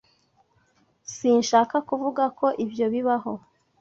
Sinashakaga kuvuga ko ibyo bibaho.